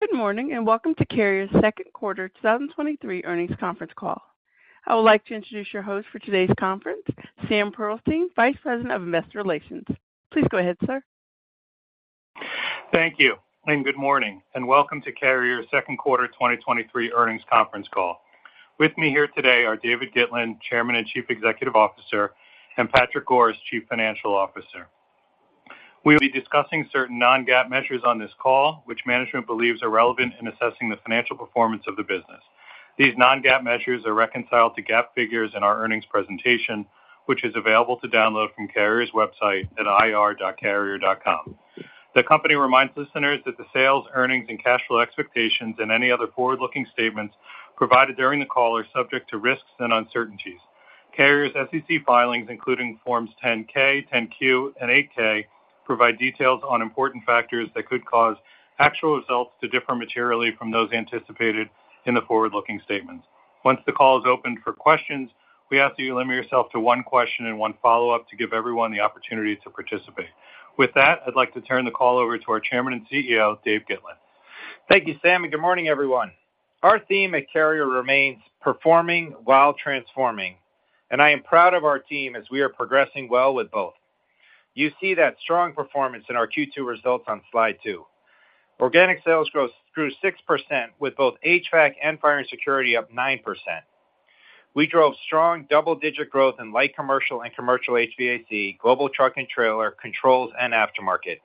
Good morning. Welcome to Carrier's second quarter 2023 earnings conference call. I would like to introduce your host for today's conference, Sam Pulte, Vice President of Investor Relations. Please go ahead, sir. Thank you, and good morning, and welcome to Carrier's 2nd quarter 2023 earnings conference call. With me here today are David Gitlin, Chairman and Chief Executive Officer, and Patrick Goris, Chief Financial Officer. We will be discussing certain non-GAAP measures on this call, which management believes are relevant in assessing the financial performance of the business. These non-GAAP measures are reconciled to GAAP figures in our earnings presentation, which is available to download from Carrier's website at ir.carrier.com. The company reminds listeners that the sales, earnings, and cash flow expectations and any other forward-looking statements provided during the call are subject to risks and uncertainties. Carrier's SEC filings, including Forms 10-K, 10-Q, and 8-K, provide details on important factors that could cause actual results to differ materially from those anticipated in the forward-looking statements. Once the call is opened for questions, we ask that you limit yourself to one question and one follow-up to give everyone the opportunity to participate. With that, I'd like to turn the call over to our Chairman and CEO, Dave Gitlin. Thank you, Sam. Good morning, everyone. Our theme at Carrier remains performing while transforming, and I am proud of our team as we are progressing well with both. You see that strong performance in our Q2 results on slide 2. Organic sales growth grew 6%, with both HVAC and Fire & Security up 9%. We drove strong double-digit growth in light commercial and commercial HVAC, global truck and trailer, controls, and aftermarket.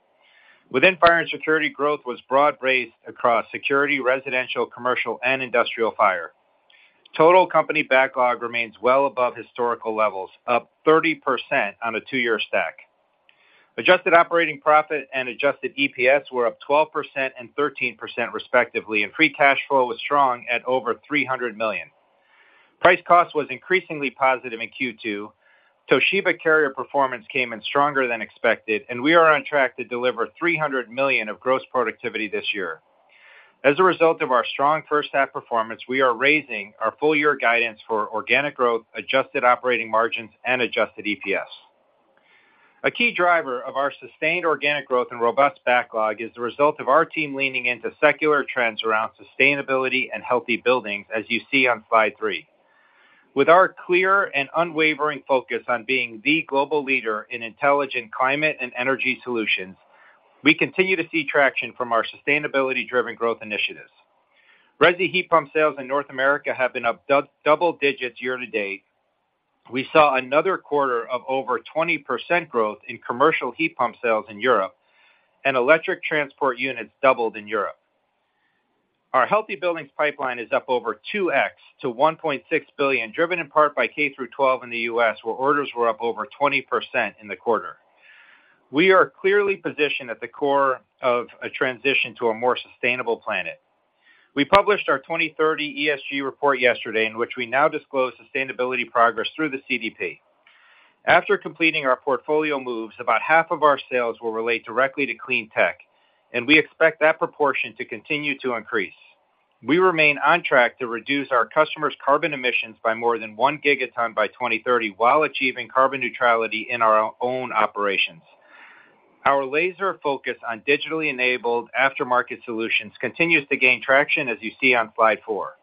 Within Fire & Security, growth was broad-based across security, residential, commercial, and industrial fire. Total company backlog remains well above historical levels, up 30% on a two-year stack. Adjusted operating profit and adjusted EPS were up 12% and 13%, respectively, and free cash flow was strong at over $300 million. Price cost was increasingly positive in Q2. Toshiba Carrier performance came in stronger than expected, and we are on track to deliver $300 million of gross productivity this year. As a result of our strong first half performance, we are raising our full year guidance for organic growth, adjusted operating margins, and adjusted EPS. A key driver of our sustained organic growth and robust backlog is the result of our team leaning into secular trends around sustainability and healthy buildings, as you see on slide three. With our clear and unwavering focus on being the global leader in intelligent climate and energy solutions, we continue to see traction from our sustainability-driven growth initiatives. Resi heat pump sales in North America have been up double digits year to date. We saw another quarter of over 20% growth in commercial heat pump sales in Europe. Electric transport units doubled in Europe. Our healthy buildings pipeline is up over 2x to $1.6 billion, driven in part by K-12 in the U.S., where orders were up over 20% in the quarter. We are clearly positioned at the core of a transition to a more sustainable planet. We published our 2030 ESG report yesterday, in which we now disclose sustainability progress through the CDP. After completing our portfolio moves, about half of our sales will relate directly to clean tech, and we expect that proportion to continue to increase. We remain on track to reduce our customers' carbon emissions by more than 1 gigaton by 2030, while achieving carbon neutrality in our own operations. Our laser focus on digitally enabled aftermarket solutions continues to gain traction, as you see on slide 4.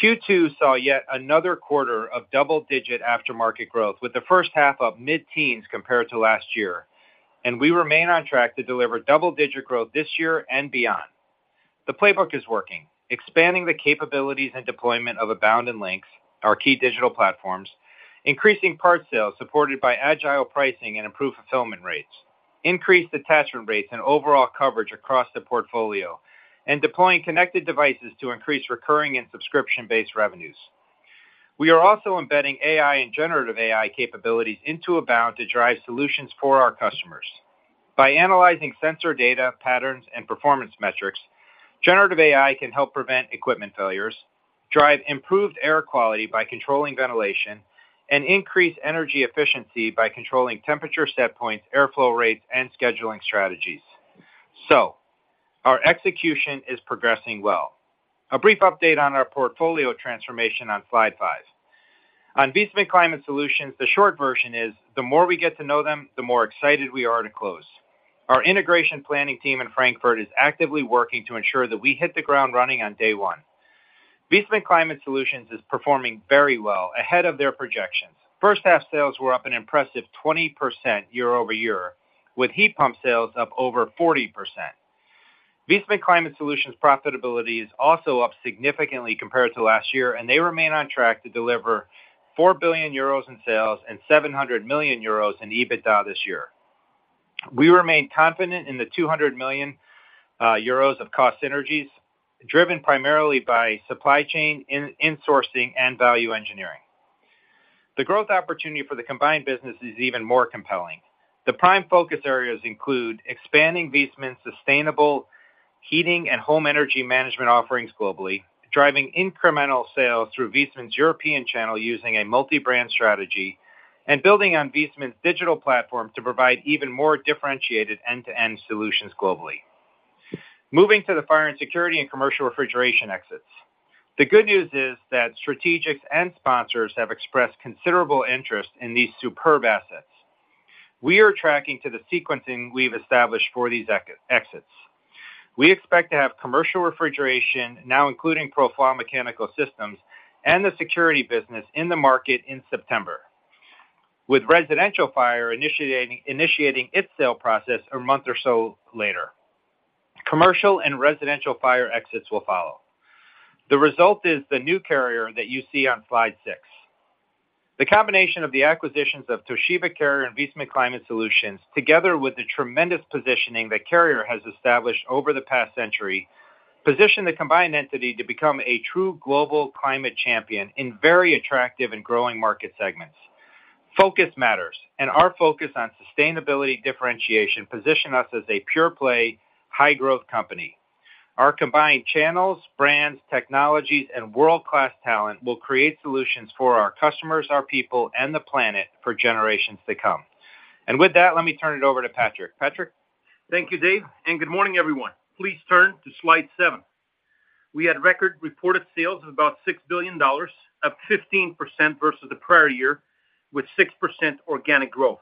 Q2 saw yet another quarter of double-digit aftermarket growth, with the first half up mid-teens compared to last year. We remain on track to deliver double-digit growth this year and beyond. The playbook is working, expanding the capabilities and deployment of Abound and Lynx, our key digital platforms, increasing part sales supported by agile pricing and improved fulfillment rates, increased attachment rates and overall coverage across the portfolio, and deploying connected devices to increase recurring and subscription-based revenues. We are also embedding AI and generative AI capabilities into Abound to drive solutions for our customers. By analyzing sensor data, patterns, and performance metrics, generative AI can help prevent equipment failures, drive improved air quality by controlling ventilation, and increase energy efficiency by controlling temperature set points, airflow rates, and scheduling strategies. Our execution is progressing well. A brief update on our portfolio transformation on slide 5. On Viessmann Climate Solutions, the short version is: the more we get to know them, the more excited we are to close. Our integration planning team in Frankfurt is actively working to ensure that we hit the ground running on day one. Viessmann Climate Solutions is performing very well, ahead of their projections. First half sales were up an impressive 20% year-over-year, with heat pump sales up over 40%. Viessmann Climate Solutions' profitability is also up significantly compared to last year, and they remain on track to deliver 4 billion euros in sales and 700 million euros in EBITDA this year. We remain confident in the 200 million euros of cost synergies, driven primarily by supply chain, insourcing, and value engineering. The growth opportunity for the combined business is even more compelling. The prime focus areas include expanding Viessmann's sustainable heating and home energy management offerings globally, driving incremental sales through Viessmann's European channel using a multi-brand strategy, and building on Viessmann's digital platform to provide even more differentiated end-to-end solutions globally. Moving to the fire and security and commercial refrigeration exits. The good news is that strategics and sponsors have expressed considerable interest in these superb assets.... We are tracking to the sequencing we've established for these exits. We expect to have commercial refrigeration, now including Profile Mechanical Systems, and the security business in the market in September, with residential fire initiating its sale process a month or so later. Commercial and residential fire exits will follow. The result is the new Carrier that you see on slide six. The combination of the acquisitions of Toshiba Carrier and Viessmann Climate Solutions, together with the tremendous positioning that Carrier has established over the past century, position the combined entity to become a true global climate champion in very attractive and growing market segments. Focus matters, and our focus on sustainability differentiation position us as a pure-play, high-growth company. Our combined channels, brands, technologies, and world-class talent will create solutions for our customers, our people, and the planet for generations to come. With that, let me turn it over to Patrick. Patrick? Thank you, Dave. Good morning, everyone. Please turn to slide 7. We had record reported sales of about $6 billion, up 15% versus the prior year, with 6% organic growth.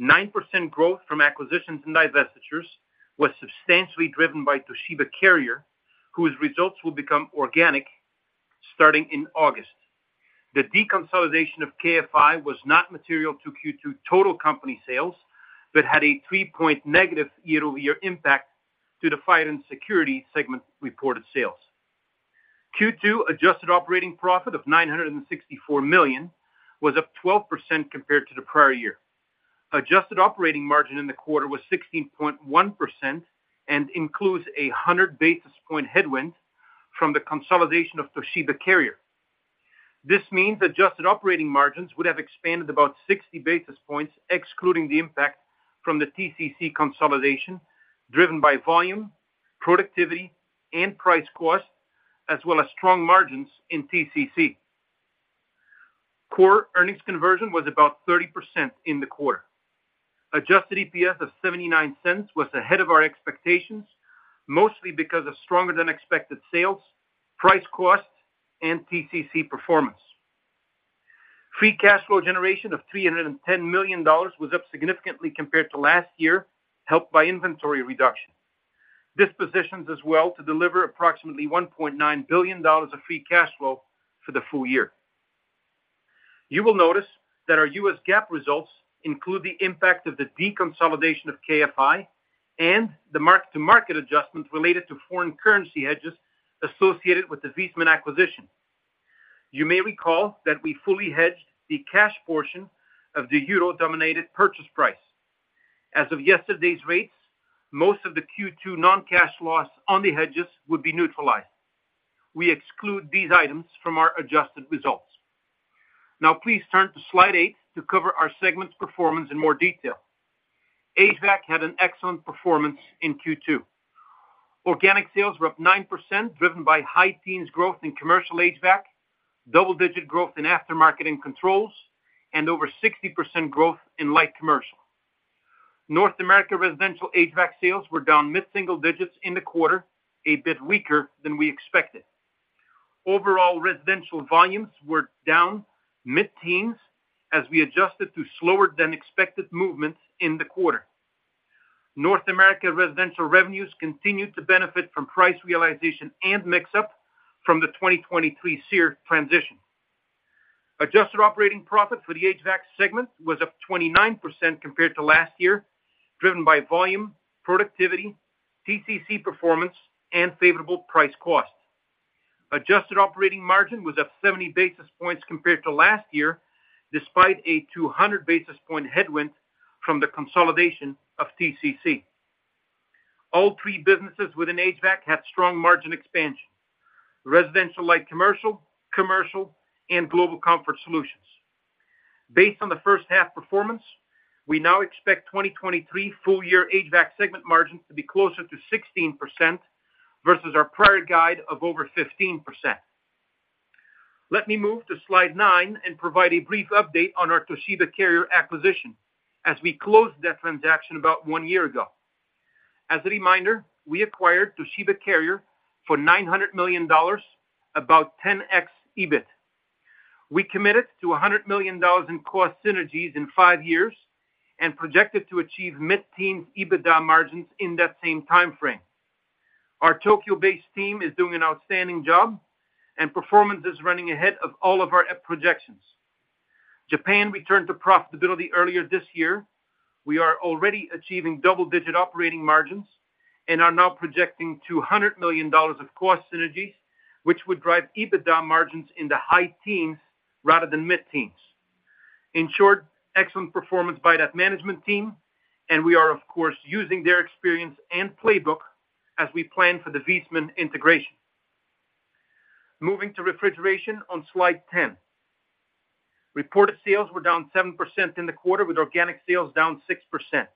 9% growth from acquisitions and divestitures was substantially driven by Toshiba Carrier, whose results will become organic starting in August. The deconsolidation of KFI was not material to Q2 total company sales, but had a 3-point negative year-over-year impact to the Fire & Security segment reported sales. Q2 adjusted operating profit of $964 million was up 12% compared to the prior year. Adjusted operating margin in the quarter was 16.1% and includes a 100 basis point headwind from the consolidation of Toshiba Carrier. This means adjusted operating margins would have expanded about 60 basis points, excluding the impact from the TCC consolidation, driven by volume, productivity, and price cost, as well as strong margins in TCC. Core earnings conversion was about 30% in the quarter. Adjusted EPS of $0.79 was ahead of our expectations, mostly because of stronger than expected sales, price cost, and TCC performance. Free cash flow generation of $310 million was up significantly compared to last year, helped by inventory reduction. This positions us well to deliver approximately $1.9 billion of free cash flow for the full year. You will notice that our U.S. GAAP results include the impact of the deconsolidation of KFI and the mark-to-market adjustments related to foreign currency hedges associated with the Viessmann acquisition. You may recall that we fully hedged the cash portion of the EUR-denominated purchase price. As of yesterday's rates, most of the Q2 non-cash loss on the hedges would be neutralized. We exclude these items from our adjusted results. Please turn to slide 8 to cover our segments performance in more detail. HVAC had an excellent performance in Q2. Organic sales were up 9%, driven by high teens growth in commercial HVAC, double-digit growth in aftermarket and controls, and over 60% growth in light commercial. North America residential HVAC sales were down mid-single digits in the quarter, a bit weaker than we expected. Overall, residential volumes were down mid-teens as we adjusted to slower than expected movements in the quarter. North America residential revenues continued to benefit from price realization and mix up from the 2023 SEER transition. Adjusted operating profit for the HVAC segment was up 29% compared to last year, driven by volume, productivity, TCC performance, and favorable price cost. Adjusted operating margin was up 70 basis points compared to last year, despite a 200 basis point headwind from the consolidation of TCC. All three businesses within HVAC had strong margin expansion: residential light commercial, and global comfort solutions. Based on the first half performance, we now expect 2023 full-year HVAC segment margins to be closer to 16% versus our prior guide of over 15%. Let me move to slide 9 and provide a brief update on our Toshiba Carrier acquisition as we closed that transaction about one year ago. As a reminder, we acquired Toshiba Carrier for $900 million, about 10x EBIT. We committed to $100 million in cost synergies in five years and projected to achieve mid-teen EBITDA margins in that same time frame. Our Tokyo-based team is doing an outstanding job, and performance is running ahead of all of our projections. Japan returned to profitability earlier this year. We are already achieving double-digit operating margins and are now projecting $200 million of cost synergies, which would drive EBITDA margins in the high teens rather than mid-teens. In short, excellent performance by that management team, and we are, of course, using their experience and playbook as we plan for the Viessmann integration. Moving to refrigeration on slide 10. Reported sales were down 7% in the quarter, with organic sales down 6%.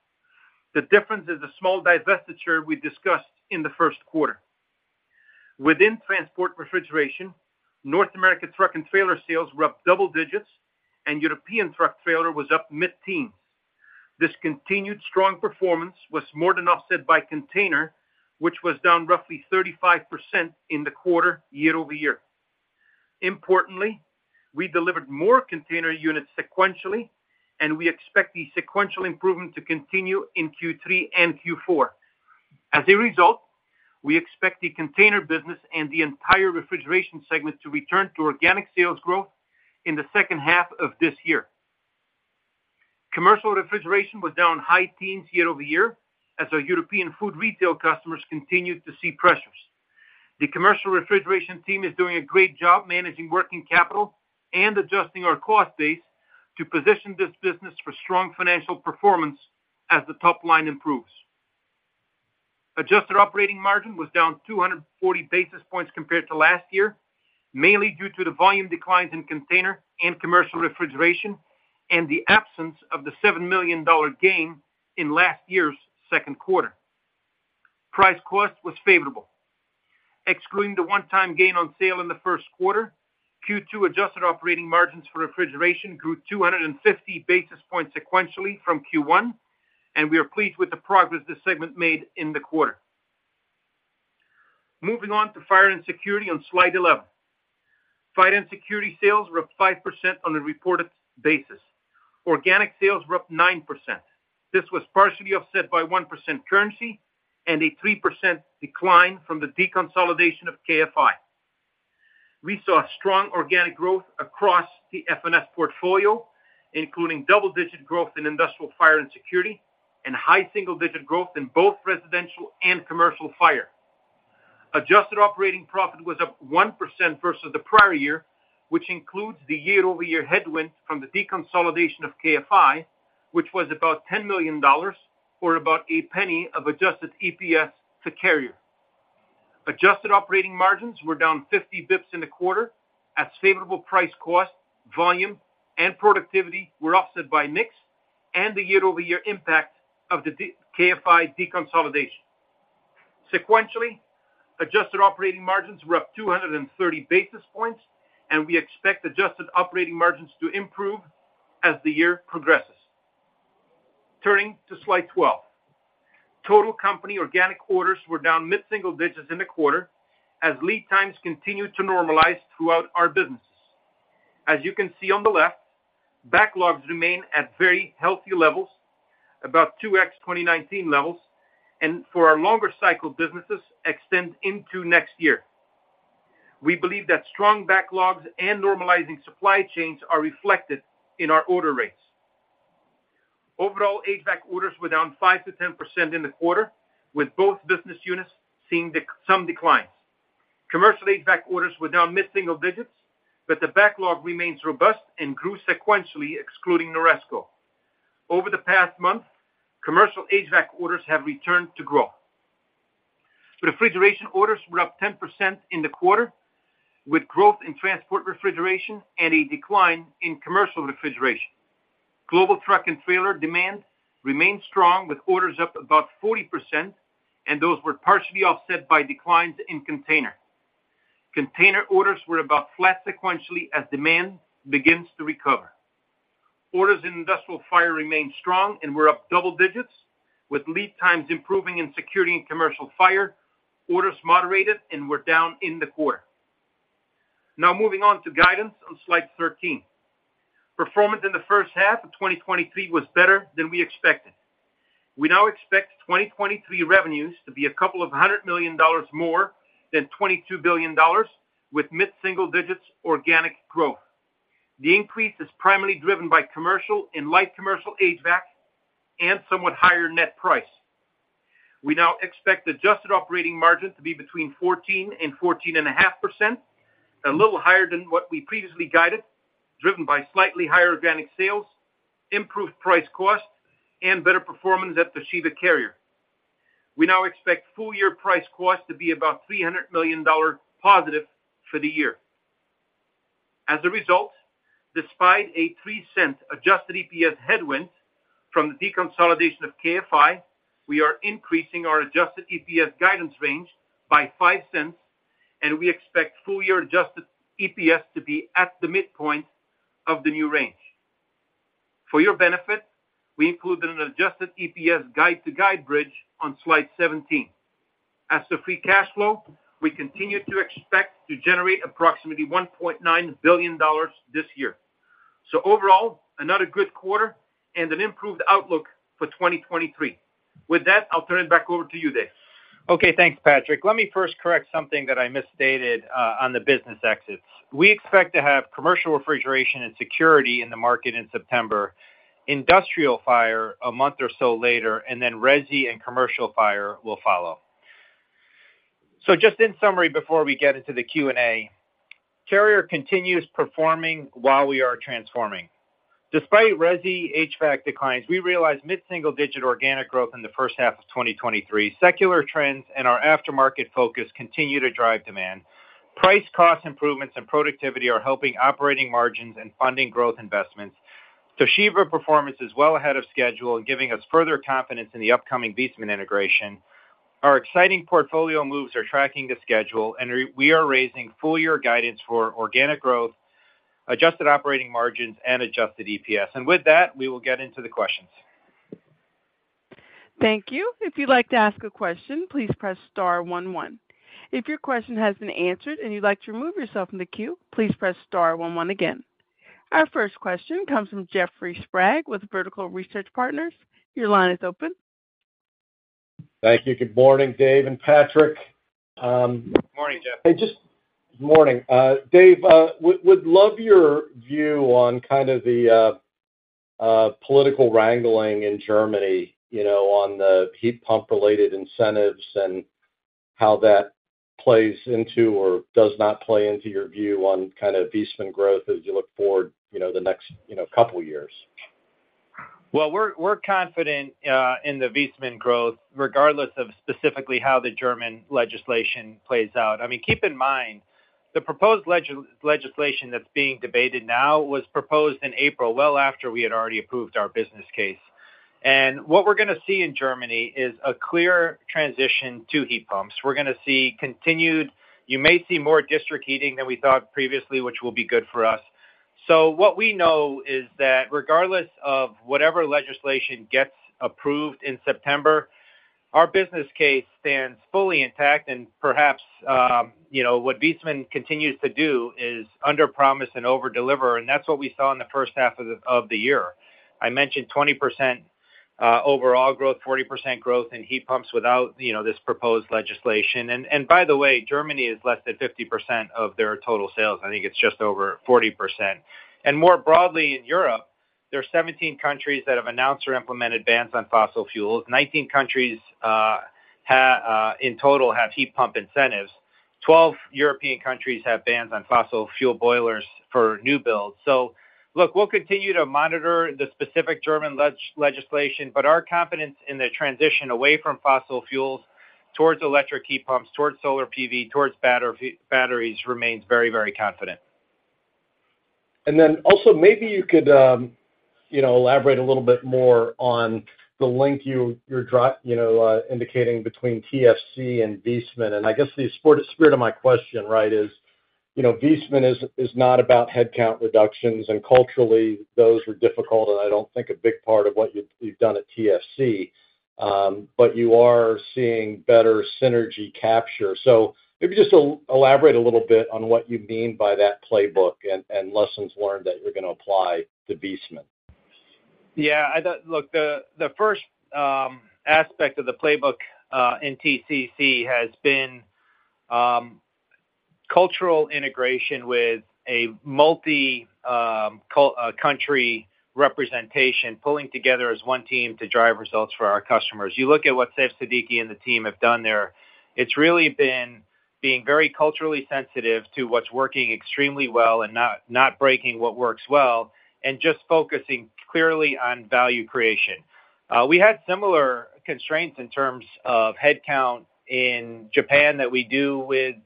The difference is a small divestiture we discussed in the first quarter. Within transport refrigeration, North America truck and trailer sales were up double digits. European truck trailer was up mid-teen. This continued strong performance was more than offset by container, which was down roughly 35% in the quarter, year-over-year. Importantly, we delivered more container units sequentially. We expect the sequential improvement to continue in Q3 and Q4. We expect the container business and the entire refrigeration segment to return to organic sales growth in the second half of this year. Commercial refrigeration was down high teens year-over-year, as our European food retail customers continued to see pressures. The commercial refrigeration team is doing a great job managing working capital and adjusting our cost base to position this business for strong financial performance as the top line improves. Adjusted operating margin was down 240 basis points compared to last year, mainly due to the volume declines in container and commercial refrigeration, and the absence of the $7 million gain in last year's second quarter. Price cost was favorable. Excluding the one-time gain on sale in the first quarter, Q2 adjusted operating margins for refrigeration grew 250 basis points sequentially from Q1, and we are pleased with the progress this segment made in the quarter. Moving on to Fire and Security on slide 11. Fire and Security sales were up 5% on a reported basis. Organic sales were up 9%. This was partially offset by 1% currency and a 3% decline from the deconsolidation of KFI. We saw strong organic growth across the FNS portfolio, including double-digit growth in industrial fire and security, and high single-digit growth in both residential and commercial fire. Adjusted operating profit was up 1% versus the prior year, which includes the year-over-year headwind from the deconsolidation of KFI, which was about $10 million, or about $0.01 of adjusted EPS to Carrier. Adjusted operating margins were down 50 basis points in the quarter, as favorable price cost, volume, and productivity were offset by mix and the year-over-year impact of the KFI deconsolidation. Sequentially, adjusted operating margins were up 230 basis points, and we expect adjusted operating margins to improve as the year progresses. Turning to slide 12. Total company organic orders were down mid-single digits in the quarter as lead times continued to normalize throughout our businesses. As you can see on the left, backlogs remain at very healthy levels, about 2x 2019 levels, and for our longer cycle businesses extend into next year. We believe that strong backlogs and normalizing supply chains are reflected in our order rates. Overall, HVAC orders were down 5%-10% in the quarter, with both business units seeing some declines. Commercial HVAC orders were down mid-single digits, the backlog remains robust and grew sequentially, excluding Noresco. Over the past month, commercial HVAC orders have returned to growth. Refrigeration orders were up 10% in the quarter, with growth in transport refrigeration and a decline in commercial refrigeration. Global truck and trailer demand remained strong, with orders up about 40%, those were partially offset by declines in container. Container orders were about flat sequentially as demand begins to recover. Orders in industrial fire remained strong and were up double digits, with lead times improving in security and commercial fire, orders moderated and were down in the quarter. Moving on to guidance on slide 13. Performance in the first half of 2023 was better than we expected. We now expect 2023 revenues to be a couple of hundred million dollars more than $22 billion, with mid-single digits organic growth. The increase is primarily driven by commercial and light commercial HVAC and somewhat higher net price. We now expect adjusted operating margin to be between 14% and 14.5%, a little higher than what we previously guided, driven by slightly higher organic sales, improved price costs, and better performance at Toshiba Carrier. We now expect full-year price cost to be about $300 million positive for the year. As a result, despite a $0.03 adjusted EPS headwind from the deconsolidation of KFI, we are increasing our adjusted EPS guidance range by $0.05, and we expect full-year adjusted EPS to be at the midpoint of the new range. For your benefit, we included an adjusted EPS guide to guide bridge on slide 17. As to free cash flow, we continue to expect to generate approximately $1.9 billion this year. Overall, another good quarter and an improved outlook for 2023. With that, I'll turn it back over to you, Dave. Okay, thanks, Patrick. Let me first correct something that I misstated on the business exits. We expect to have commercial refrigeration and security in the market in September, industrial fire a month or so later, and then resi and commercial fire will follow. Just in summary, before we get into the Q&A, Carrier continues performing while we are transforming. Despite resi HVAC declines, we realize mid-single digit organic growth in the first half of 2023. Secular trends and our aftermarket focus continue to drive demand. Price cost improvements and productivity are helping operating margins and funding growth investments. Toshiba performance is well ahead of schedule and giving us further confidence in the upcoming Viessmann integration. Our exciting portfolio moves are tracking to schedule. We are raising full-year guidance for organic growth, adjusted operating margins, and adjusted EPS. With that, we will get into the questions. Thank you. If you'd like to ask a question, please press star one. If your question has been answered and you'd like to remove yourself from the queue, please press star one again. Our first question comes from Jeffrey Sprague with Vertical Research Partners. Your line is open. Thank you. Good morning, Dave and Patrick. Morning, Jeffrey. Hey, just morning. Dave, would love your view on kind of the political wrangling in Germany, you know, on the heat pump-related incentives and how that plays into or does not play into your view on kind of Viessmann growth as you look forward, you know, the next, you know, couple of years. Well, we're confident in the Viessmann growth, regardless of specifically how the German legislation plays out. I mean, keep in mind, the proposed legislation that's being debated now was proposed in April, well after we had already approved our business case. What we're going to see in Germany is a clear transition to heat pumps. We're going to see You may see more district heating than we thought previously, which will be good for us. What we know is that regardless of whatever legislation gets approved in September, our business case stands fully intact and perhaps, you know, what Viessmann continues to do is underpromise and overdeliver, and that's what we saw in the first half of the year. I mentioned 20% overall growth, 40% growth in heat pumps without, you know, this proposed legislation. By the way, Germany is less than 50% of their total sales. I think it's just over 40%. More broadly, in Europe, there are 17 countries that have announced or implemented bans on fossil fuels. 19 countries, in total, have heat pump incentives. 12 European countries have bans on fossil fuel boilers for new builds. Look, we'll continue to monitor the specific German legislation, but our confidence in the transition away from fossil fuels towards electric heat pumps, towards solar PV, towards batteries, remains very, very confident. Also, maybe you could, you know, elaborate a little bit more on the link you're indicating between TCC and Viessmann. I guess the spirit of my question, right, is, you know, Viessmann is not about headcount reductions, and culturally, those are difficult, and I don't think a big part of what you've done at TCC, but you are seeing better synergy capture. Maybe just elaborate a little bit on what you mean by that playbook and lessons learned that you're going to apply to Viessmann. Yeah, look, the first aspect of the playbook in TCC has been cultural integration with a multi-country representation, pulling together as one team to drive results for our customers. You look at what Saif Siddiqui and the team have done there, it's really been being very culturally sensitive to what's working extremely well and not breaking what works well and just focusing clearly on value creation. We had similar constraints in terms of headcount in Japan than we do with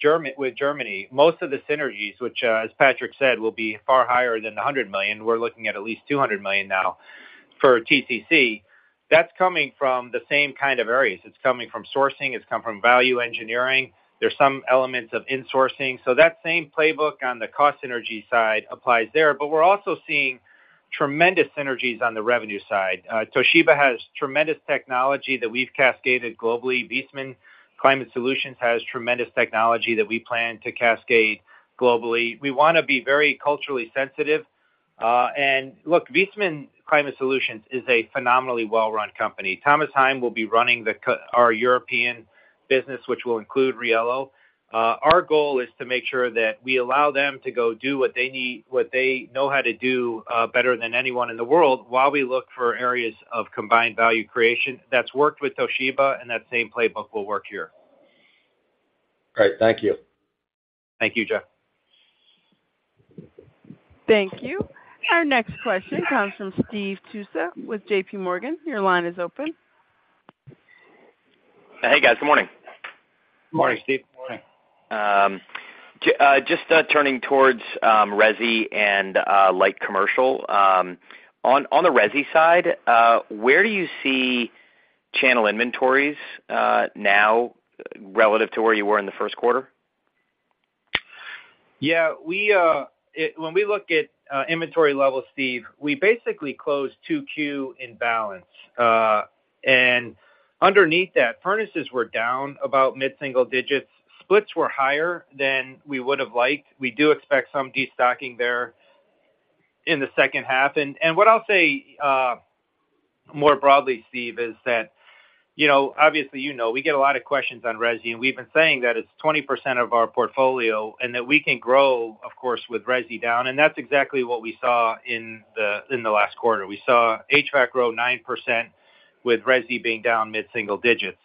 Germany. Most of the synergies, which as Patrick said, will be far higher than $100 million, we're looking at at least $200 million now for TCC. That's coming from the same kind of areas. It's coming from sourcing, it's come from value engineering. There's some elements of insourcing. That same playbook on the cost synergy side applies there, but we're also seeing tremendous synergies on the revenue side. Toshiba has tremendous technology that we've cascaded globally. Viessmann Climate Solutions has tremendous technology that we plan to cascade globally. We want to be very culturally sensitive. Look, Viessmann Climate Solutions is a phenomenally well-run company. Thomas Heim will be running our European business, which will include Riello. Our goal is to make sure that we allow them to go do what they know how to do, better than anyone in the world, while we look for areas of combined value creation. That's worked with Toshiba, that same playbook will work here. Great. Thank you. Thank you, Jeff. Thank you. Our next question comes from Steve Tusa with J.P. Morgan. Your line is open. Hey, guys. Good morning. Good morning, Steve. Morning. Just turning towards resi and light commercial. On the resi side, where do you see channel inventories now relative to where you were in the first quarter? Yeah, when we look at inventory levels, Steve, we basically closed 2Q in balance. Underneath that, furnaces were down about mid-single digits. Splits were higher than we would have liked. We do expect some destocking there in the second half. What I'll say more broadly, Steve, is that, you know, obviously, you know, we get a lot of questions on resi, and we've been saying that it's 20% of our portfolio and that we can grow, of course, with resi down, and that's exactly what we saw in the last quarter. We saw HVAC grow 9%, with resi being down mid-single digits.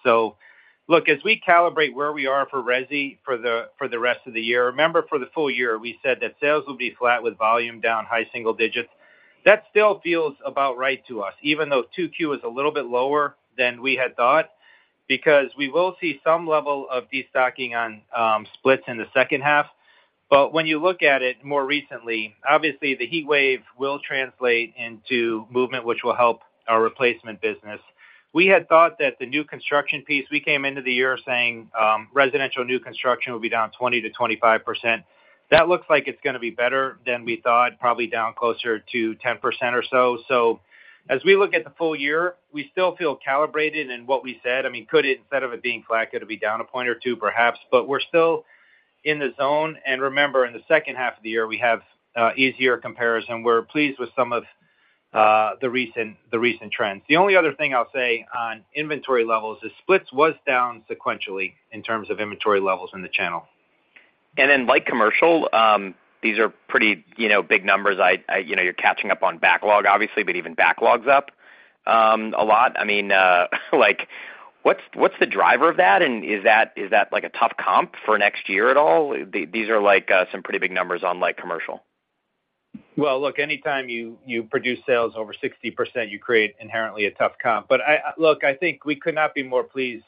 As we calibrate where we are for resi for the rest of the year, remember, for the full year, we said that sales will be flat with volume down high single digits. That still feels about right to us, even though 2Q is a little bit lower than we had thought, because we will see some level of destocking on splits in the second half. When you look at it more recently, obviously, the heatwave will translate into movement, which will help our replacement business. We had thought that the new construction piece, we came into the year saying, residential new construction will be down 20%-25%. That looks like it's gonna be better than we thought, probably down closer to 10% or so. As we look at the full year, we still feel calibrated in what we said. I mean, could it, instead of it being flat, could it be down a point or two? Perhaps, but we're still in the zone. Remember, in the second half of the year, we have easier comparison. We're pleased with some of the recent trends. The only other thing I'll say on inventory levels is splits was down sequentially in terms of inventory levels in the channel. Light commercial, these are pretty, you know, big numbers. You know, you're catching up on backlog, obviously, but even backlog's up a lot. I mean, like, what's the driver of that? Is that like a tough comp for next year at all? These are like some pretty big numbers on light commercial. Well, look, anytime you produce sales over 60%, you create inherently a tough comp. I look, I think we could not be more pleased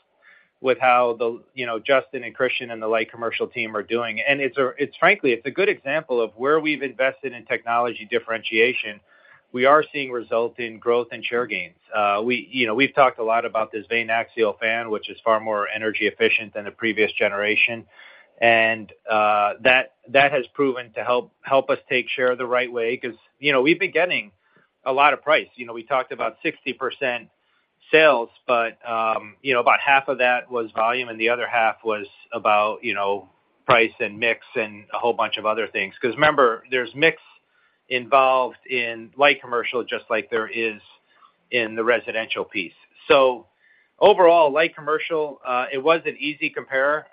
with how the, you know, Justin and Christian and the light commercial team are doing. It's frankly, it's a good example of where we've invested in technology differentiation. We are seeing results in growth and share gains. We, you know, we've talked a lot about this vane axial fan, which is far more energy efficient than the previous generation, and that has proven to help us take share the right way because, you know, we've been getting a lot of price. You know, we talked about 60% sales, but, you know, about half of that was volume, and the other half was about, you know, price and mix and a whole bunch of other things. Remember, there's mix involved in light commercial, just like there is in the residential piece. Overall, light commercial, it was an easy compare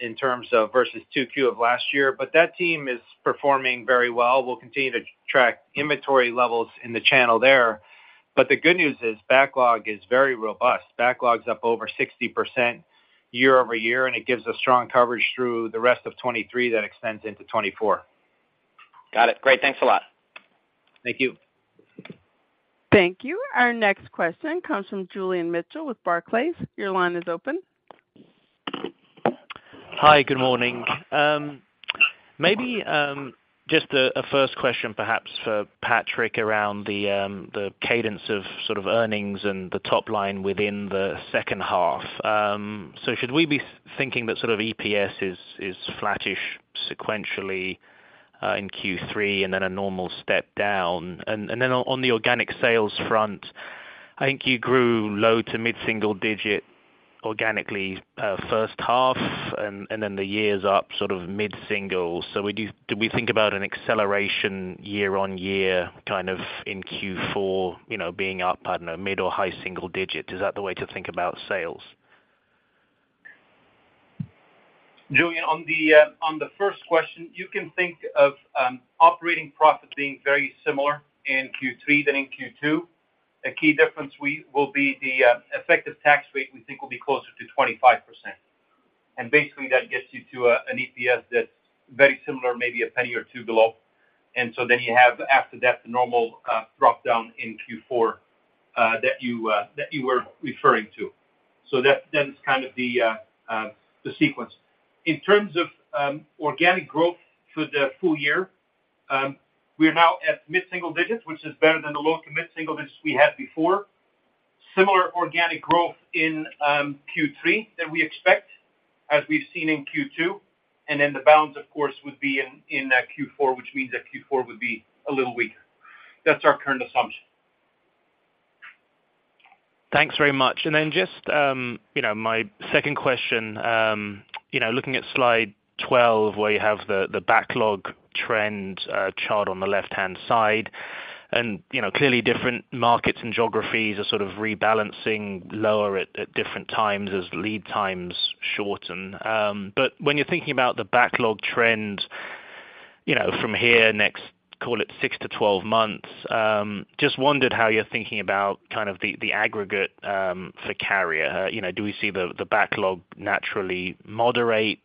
in terms of versus 2Q of last year, but that team is performing very well. We'll continue to track inventory levels in the channel there. The good news is backlog is very robust. Backlog is up over 60% year-over-year, and it gives us strong coverage through the rest of 2023, that extends into 2024. Got it. Great. Thanks a lot. Thank you. Thank you. Our next question comes from Julian Mitchell with Barclays. Your line is open. Hi, good morning. Maybe just a first question perhaps for Patrick around the cadence of sort of earnings and the top line within the second half. Should we be thinking that sort of EPS is flattish sequentially in Q3 and then a normal step down? On the organic sales front, I think you grew low to mid-single digit organically first half, and then the years up sort of mid-single. Do we think about an acceleration year-on-year, kind of in Q4, you know, being up, I don't know, mid or high single digit? Is that the way to think about sales? Julian, on the first question, you can think of operating profit being very similar in Q3 than in Q2. A key difference will be the effective tax rate, we think will be closer to 25%. Basically, that gets you to an EPS that's very similar, maybe a penny or two below. You have, after that, the normal drop-down in Q4 that you were referring to. That's kind of the sequence. In terms of organic growth for the full year, we are now at mid-single digits, which is better than the low to mid-single digits we had before. Similar organic growth in Q3 that we expect, as we've seen in Q2. The balance, of course, would be in Q4, which means that Q4 would be a little weaker. That's our current assumption. Thanks very much. Just, you know, my second question, you know, looking at slide 12, where you have the backlog trend chart on the left-hand side, and, you know, clearly different markets and geographies are sort of rebalancing lower at different times as lead times shorten. When you're thinking about the backlog trend, you know, from here next, call it 6-12 months, just wondered how you're thinking about kind of the aggregate for Carrier. You know, do we see the backlog naturally moderate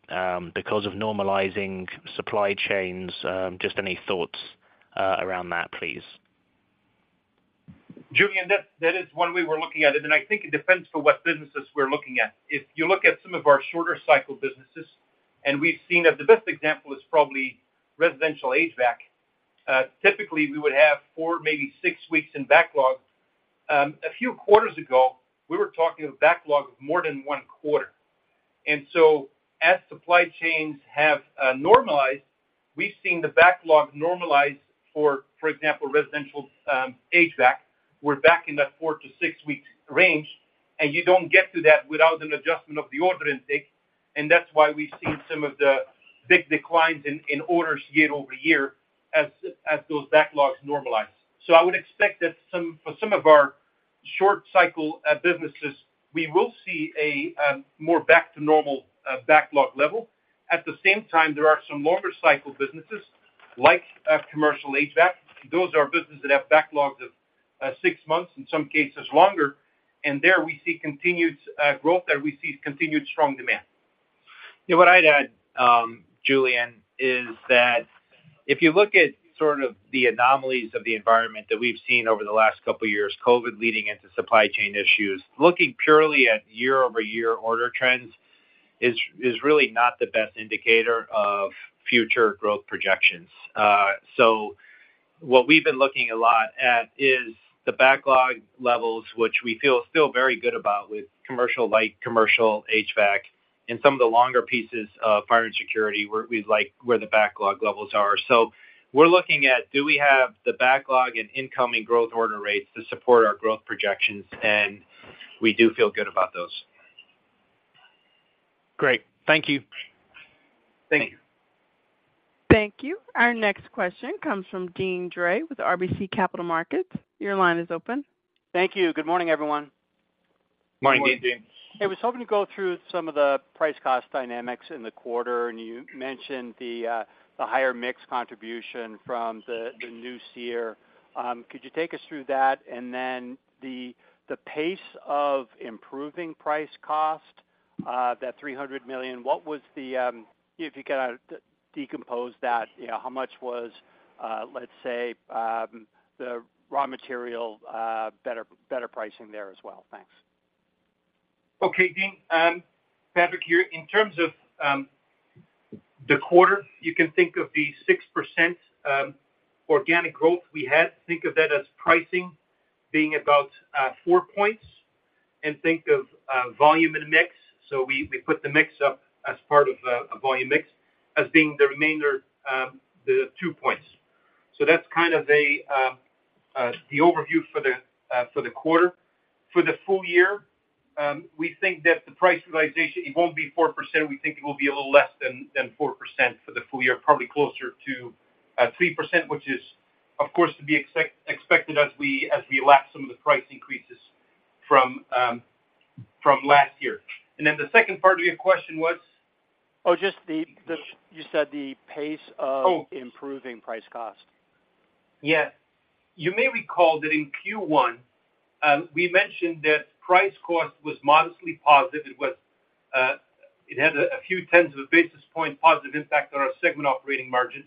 because of normalizing supply chains? Just any thoughts around that, please? Julian, that is one way we're looking at it, I think it depends for what businesses we're looking at. If you look at some of our shorter cycle businesses, we've seen that the best example is probably residential HVAC. Typically, we would have four, maybe six weeks in backlog. A few quarters ago, we were talking a backlog of more than one quarter. As supply chains have normalized, we've seen the backlog normalize for example, residential HVAC. You don't get to that without an adjustment of the order intake, that's why we've seen some of the big declines in orders year-over-year as those backlogs normalize. I would expect that for some of our short cycle businesses, we will see a more back to normal backlog level. At the same time, there are some longer cycle businesses, like commercial HVAC. Those are businesses that have backlogs of six months, in some cases longer, and there we see continued growth, and we see continued strong demand. Yeah, what I'd add, Julian, is that if you look at sort of the anomalies of the environment that we've seen over the last couple of years, COVID leading into supply chain issues, looking purely at year-over-year order trends is really not the best indicator of future growth projections. What we've been looking a lot at is the backlog levels, which we feel still very good about with commercial, light commercial, HVAC, and some of the longer pieces of Fire and Security, where we like where the backlog levels are. We're looking at, do we have the backlog and incoming growth order rates to support our growth projections? We do feel good about those. Great. Thank you. Thank you. Thank you. Our next question comes from Deane Dray with RBC Capital Markets. Your line is open. Thank you. Good morning, everyone. Morning, Deane. Hey, I was hoping to go through some of the price cost dynamics in the quarter, and you mentioned the higher mix contribution from the new SEER. Could you take us through that? The pace of improving price cost, that $300 million, what was the, if you could decompose that, you know, how much was, let's say, the raw material, better pricing there as well? Thanks. Okay, Deane, Patrick here. In terms of the quarter, you can think of the 6% organic growth we had, think of that as pricing being about 4 points, and think of volume and mix. We put the mix up as part of a volume mix as being the remainder, 2 points. That's kind of the overview for the quarter. For the full year, we think that the price realization, it won't be 4%. We think it will be a little less than 4% for the full year, probably closer to 3%, which is, of course, to be expected as we lap some of the price increases from last year. The second part of your question was? Oh, just You said the pace of- Oh. improving price cost. Yeah. You may recall that in Q1, we mentioned that price cost was modestly positive. It was, it had a few tens of basis point positive impact on our segment operating margin,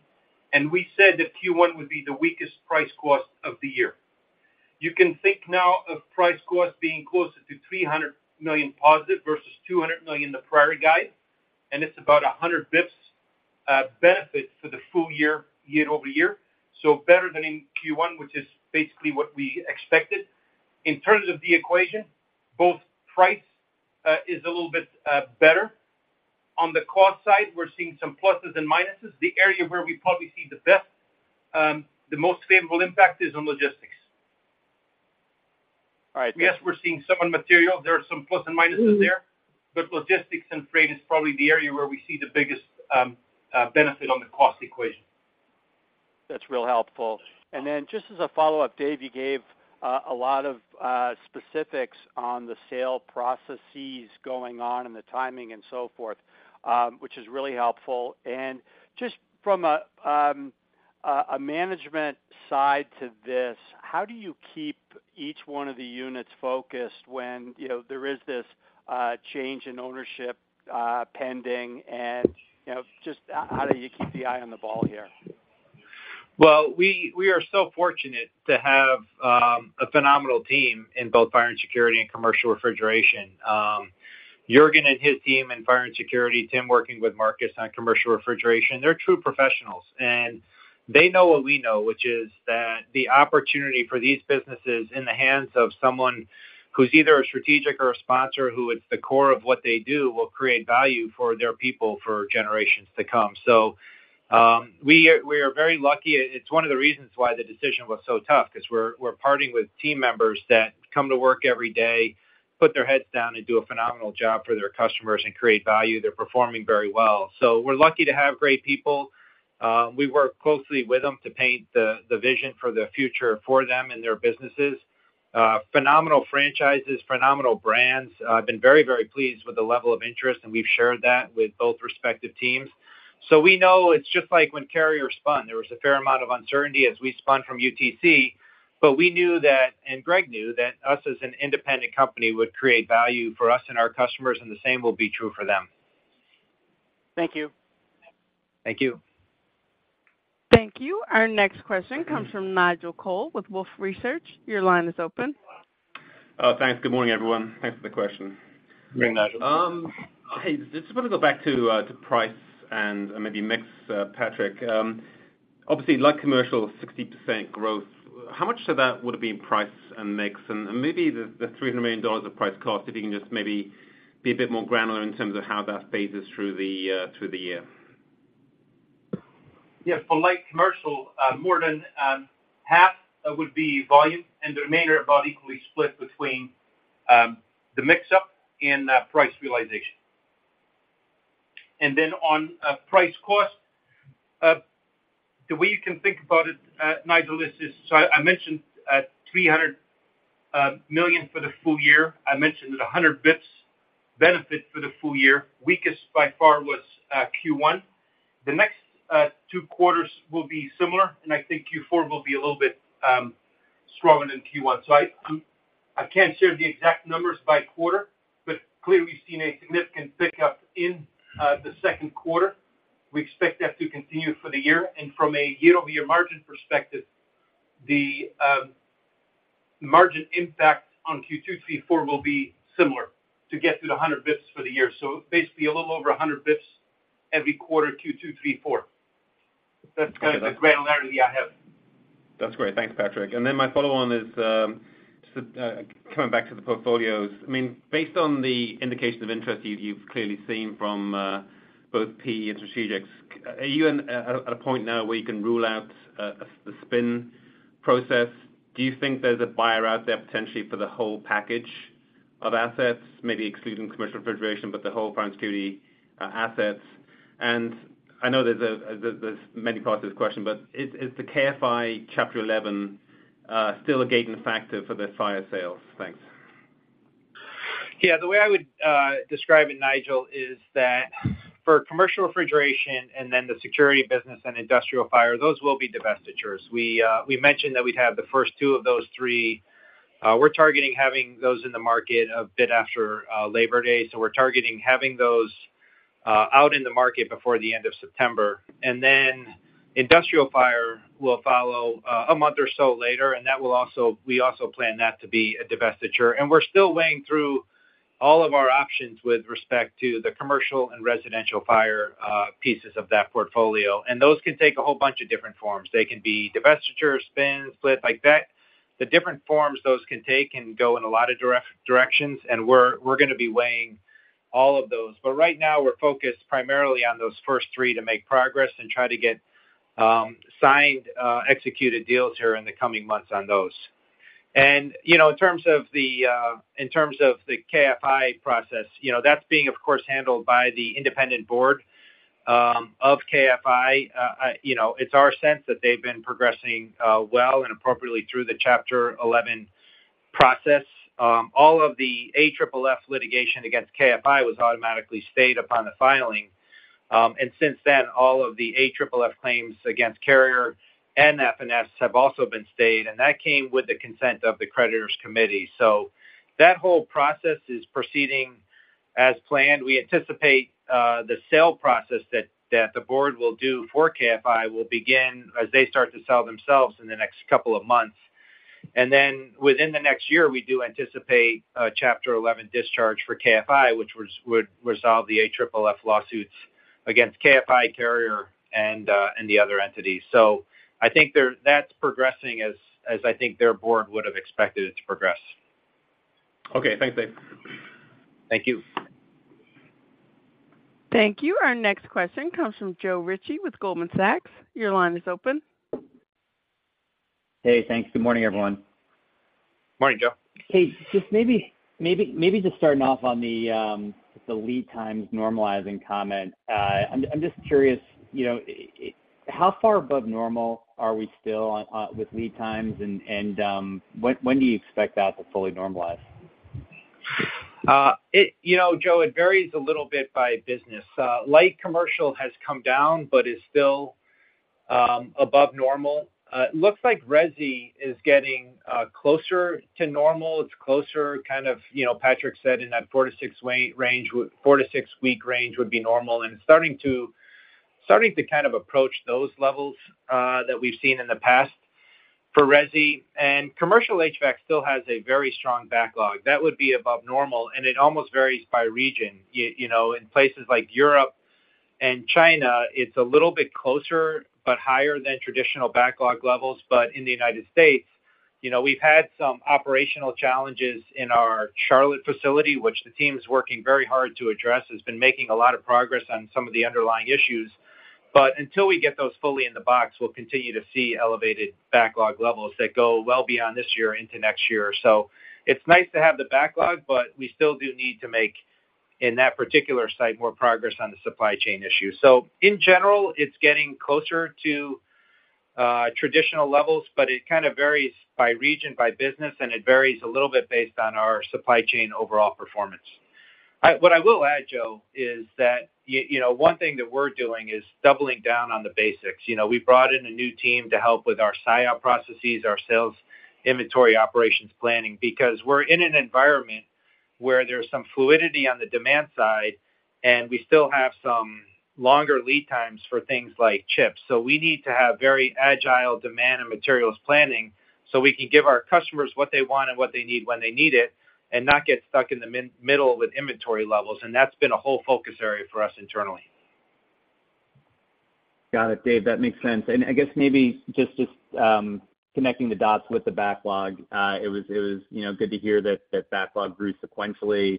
and we said that Q1 would be the weakest price cost of the year. You can think now of price cost being closer to $300 million positive versus $200 million in the prior guide, and it's about 100 basis points benefit for the full year-over-year. Better than in Q1, which is basically what we expected. In terms of the equation, both price is a little bit better. On the cost side, we're seeing some pluses and minuses. The area where we probably see the best, the most favorable impact is on logistics. All right. Yes, we're seeing some on material. There are some plus and minuses there. Logistics and freight is probably the area where we see the biggest benefit on the cost equation. That's real helpful. Just as a follow-up, Dave, you gave a lot of specifics on the sale processes going on and the timing and so forth, which is really helpful. Just from a management side to this, how do you keep each one of the units focused when, you know, there is this change in ownership pending, and, you know, just how do you keep the eye on the ball here? We are so fortunate to have a phenomenal team in both Fire & Security and commercial refrigeration. Juergen and his team in Fire & Security, Tim working with Marcus on commercial refrigeration, they're true professionals, and they know what we know, which is that the opportunity for these businesses in the hands of someone who's either a strategic or a sponsor, who it's the core of what they do, will create value for their people for generations to come. We are very lucky. It's one of the reasons why the decision was so tough, 'cause we're parting with team members that come to work every day, put their heads down, and do a phenomenal job for their customers and create value. They're performing very well. We're lucky to have great people. We work closely with them to paint the vision for the future for them and their businesses. Phenomenal franchises, phenomenal brands. I've been very, very pleased with the level of interest, and we've shared that with both respective teams. We know it's just like when Carrier spun. There was a fair amount of uncertainty as we spun from UTC, but we knew that, and Greg knew, that us as an independent company would create value for us and our customers, and the same will be true for them. Thank you. Thank you. Thank you. Our next question comes from Nigel Coe with Wolfe Research. Your line is open. Thanks. Good morning, everyone. Thanks for the question. Good morning, Nigel. Hey, just wanna go back to price and maybe mix, Patrick. Obviously, light commercial, 60% growth. How much of that would have been price and mix? Maybe the $300 million of price cost, if you can just maybe be a bit more granular in terms of how that phases through the year? Yeah, for light commercial, more than half would be volume, the remainder about equally split between the mix-up and price realization. On price cost, the way you can think about it, Nigel Coe, is so I mentioned $300 million for the full year. I mentioned 100 basis points benefit for the full year. Weakest by far was Q1. The next 2 quarters will be similar, I think Q4 will be a little bit stronger than Q1. I can't share the exact numbers by quarter, clearly we've seen a significant pickup in the second quarter. We expect that to continue for the year, from a year-over-year margin perspective, the... margin impact on Q2, Q4 will be similar to get to the 100 basis points for the year. Basically, a little over 100 basis points every quarter, Q2, Q3, Q4. That's kind of the granularity I have. That's great. Thanks, Patrick. My follow-on is, coming back to the portfolios. I mean, based on the indication of interest you've clearly seen from both P and strategics, are you at a point now where you can rule out a spin process? Do you think there's a buyer out there potentially for the whole package of assets, maybe excluding commercial refrigeration, but the whole Fire and Security assets? I know there's many parts to this question, but is the KFI Chapter 11 still a gating factor for the fire sales? Thanks. Yeah, the way I would describe it, Nigel, is that for commercial refrigeration and then the security business and industrial fire, those will be divestitures. We mentioned that we'd have the first two of those three. We're targeting having those in the market a bit after Labor Day, we're targeting having those out in the market before the end of September. Industrial fire will follow a month or so later, and we also plan that to be a divestiture. We're still weighing through all of our options with respect to the commercial and residential fire pieces of that portfolio, and those can take a whole bunch of different forms. They can be divestitures, spins, split, like that. The different forms those can take can go in a lot of directions, and we're gonna be weighing all of those. Right now, we're focused primarily on those first three to make progress and try to get signed, executed deals here in the coming months on those. You know, in terms of the in terms of the KFI process, you know, that's being, of course, handled by the independent board of KFI. You know, it's our sense that they've been progressing well and appropriately through the Chapter 11 process. All of the AFFF litigation against KFI was automatically stayed upon the filing. Since then, all of the AFFF claims against Carrier and FNS have also been stayed, and that came with the consent of the creditors' committee. That whole process is proceeding as planned. We anticipate the sale process that the board will do for KFI will begin as they start to sell themselves in the next couple of months. Within the next year, we do anticipate a Chapter 11 discharge for KFI, which would resolve the AFFF lawsuits against KFI, Carrier, and the other entities. I think that's progressing as I think their board would have expected it to progress. Okay. Thanks, Dave. Thank you. Thank you. Our next question comes from Joe Ritchie with Goldman Sachs. Your line is open. Hey, thanks. Good morning, everyone. Morning, Joe. Just maybe just starting off on the lead times normalizing comment. I'm just curious, you know, how far above normal are we still on with lead times, and when do you expect that to fully normalize? You know, Joe, it varies a little bit by business. Light commercial has come down, but is still above normal. It looks like resi is getting closer to normal. It's closer, kind of, you know, Patrick said in that 4 to 6 range, 4 to 6-week range would be normal, and starting to kind of approach those levels that we've seen in the past for resi. Commercial HVAC still has a very strong backlog. That would be above normal, and it almost varies by region. You know, in places like Europe and China, it's a little bit closer, but higher than traditional backlog levels. In the United States, you know, we've had some operational challenges in our Charlotte facility, which the team is working very hard to address, has been making a lot of progress on some of the underlying issues, but until we get those fully in the box, we'll continue to see elevated backlog levels that go well beyond this year into next year. It's nice to have the backlog, but we still do need to make, in that particular site, more progress on the supply chain issue. In general, it's getting closer to traditional levels, but it kind of varies by region, by business, and it varies a little bit based on our supply chain overall performance. What I will add, Joe, is that you know, one thing that we're doing is doubling down on the basics. You know, we brought in a new team to help with our SIOP processes, our sales inventory, operations planning, because we're in an environment where there's some fluidity on the demand side, and we still have some longer lead times for things like chips. We need to have very agile demand and materials planning so we can give our customers what they want and what they need when they need it and not get stuck in the middle with inventory levels, and that's been a whole focus area for us internally. Got it, Dave. That makes sense. I guess maybe just connecting the dots with the backlog, it was, you know, good to hear that backlog grew sequentially.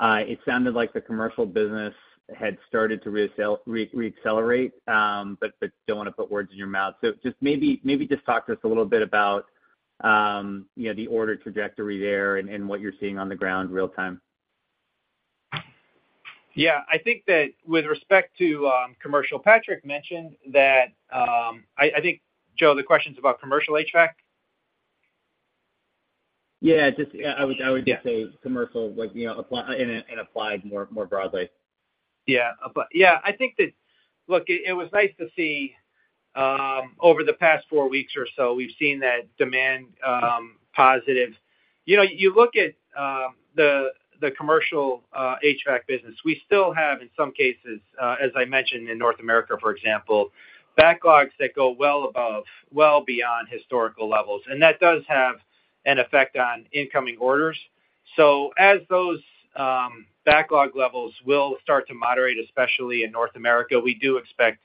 It sounded like the commercial business had started to reaccelerate, but don't want to put words in your mouth. Just maybe just talk to us a little bit about, you know, the order trajectory there and what you're seeing on the ground real time. Yeah. I think that with respect to commercial, Patrick mentioned that I think, Joe, the question is about commercial HVAC? Yeah, just, yeah, I would just say. Yeah. commercial, like, you know, apply, and applied more broadly. Yeah, I think it was nice to see over the past 4 weeks or so, we've seen that demand positive. You know, you look at the commercial HVAC business, we still have, in some cases, as I mentioned, in North America, for example, backlogs that go well beyond historical levels, and that does have an effect on incoming orders. As those backlog levels will start to moderate, especially in North America, we do expect